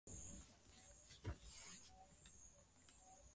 wahudumu wa meli ishilini na moja walifariki